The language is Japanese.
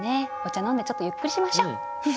飲んでちょっとゆっくりしましょ！